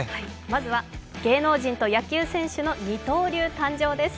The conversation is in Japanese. まずは芸能人と野球選手の二刀流誕生です。